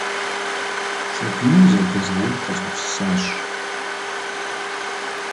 Сабийр зэрытезгъэун къэзгупсысащ.